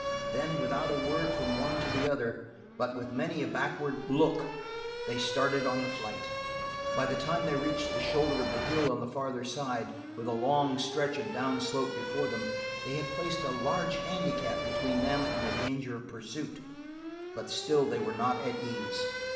Then, without a word from one to the other, but with many a backward look, they started on the flight. By the time they reached the shoulder of the hill on the farther side, with a long stretch of down slope before, they had placed a large handicap between them and the danger of pursuit, but still they were not at ease.